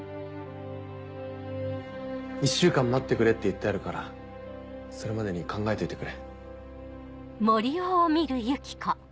１週間待ってくれって言ってあるからそれまでに考えといてくれ。